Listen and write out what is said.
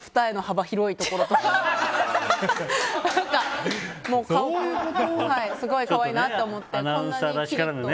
二重の幅が広いところとかすごい可愛いなと思って。